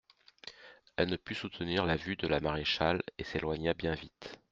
Elle ne put soutenir la vue de la maréchale et s'éloigna bien vite.